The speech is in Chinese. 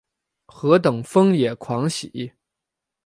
何等疯野狂喜？